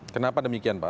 kenapa demikian pak